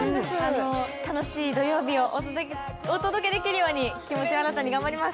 楽しい土曜日をお届けできるように気持ちを新たに頑張ります。